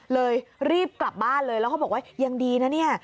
เลยรีบกลับบ้านเลยแล้วเขาบอกว่ายังดีนะเนี่ย